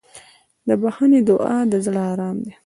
د بښنې دعا د زړه ارام دی.